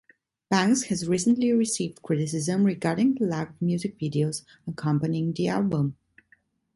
Banks has recently received criticism regarding the lack of music videos accompanying the album.